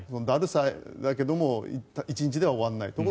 だるさだけども１日では終わらない。